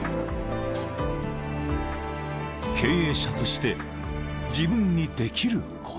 ［経営者として自分にできることは］